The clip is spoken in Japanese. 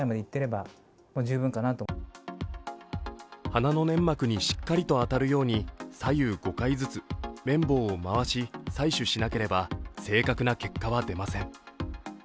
鼻の粘膜にしっかりと当たるように左右５回ずつ綿棒を回し、採取しなければ正確な結果は出ません。